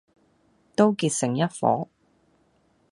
都結成一夥，